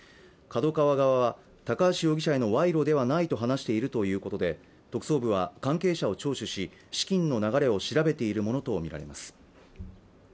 ＫＡＤＯＫＡＷＡ側は高橋容疑者への賄賂ではないと話しているということで特捜部は関係者を聴取し資金の流れを調べているものと見られます